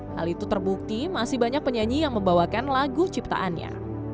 hal itu terbukti masih banyak penyanyi yang membawakan lagu ciptaannya